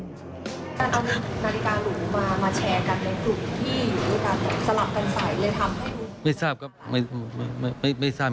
นาฬิกาหลุงมาแชร์กันในกลุ่มที่อยู่